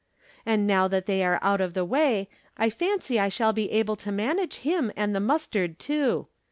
And now that they are out of the way, I fancy I shall be able to manage him and the mustard, too.